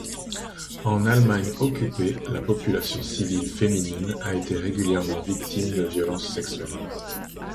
En Allemagne occupée, la population civile féminine a été régulièrement victime de violences sexuelles.